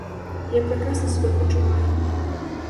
Я прекрасно себе почуваю.